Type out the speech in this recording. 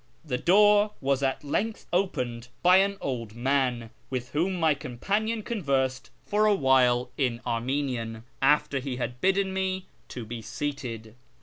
The door was at length opened by an old man, with whom my companion conversed for a while in Armenian, after he had bidden me to be seated.